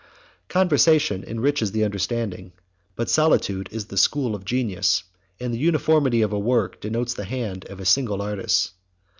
72 Conversation enriches the understanding, but solitude is the school of genius; and the uniformity of a work denotes the hand of a single artist.